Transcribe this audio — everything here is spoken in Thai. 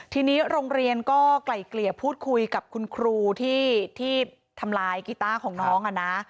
ทีนี้โรงเรียนก็ไกล่เกลี่ยพูดคุยกับคุณครูที่ทำลายกีต้าของน้อง